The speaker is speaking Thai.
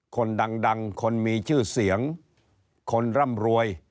คนดังคนมีชื่อเสียงคนร่ำรวย